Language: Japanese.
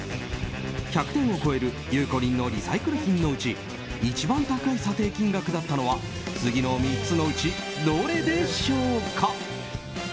１００点を超えるゆうこりんのリサイクル品のうち一番高い査定金額だったのは次の３つのうちどれでしょうか？